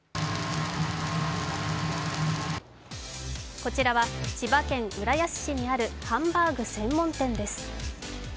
こちらは千葉県浦安市にあるハンバーグ専門店です。